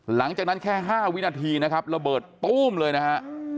หลังจากนั้นแค่๕วินาทีนะครับระเบิดตู้มเลยนะฮะ